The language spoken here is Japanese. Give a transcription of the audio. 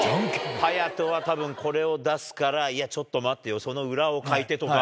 颯人はたぶんこれを出すから、いや、ちょっと待てよ、その裏をかいてとか。